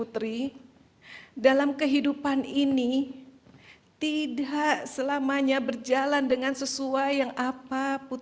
terima kasih atas segalanya